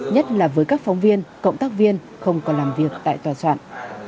nhất là với các phóng viên cộng tác viên không còn làm việc tại tòa soạn